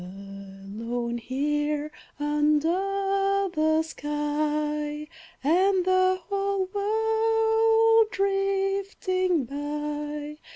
Alone here, under the sky, And the whole world drifting by!